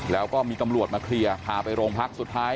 แล้วก็มีตำรวจมาเคลียร์พาไปโรงพักสุดท้าย